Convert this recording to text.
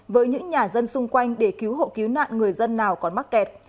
với những nhà dân xung quanh để cứu hộ cứu nạn người dân nào còn mắc kẹt